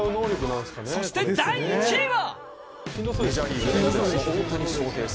そして第１位は！